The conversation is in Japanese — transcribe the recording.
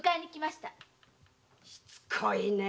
しつこいね。